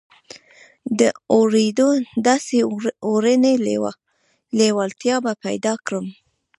د اورېدو داسې اورنۍ لېوالتیا به پيدا کړم.